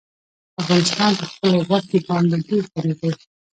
افغانستان په خپلو غوښې باندې ډېر غني دی.